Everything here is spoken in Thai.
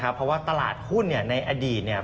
เพราะว่าตลาดหุ้นในอดีตเนี่ย